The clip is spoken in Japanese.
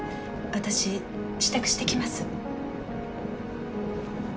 私支度してきます。